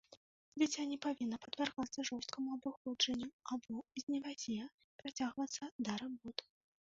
Дзіця не павінна падвяргацца жорсткаму абыходжанню або знявазе, прыцягвацца да работ.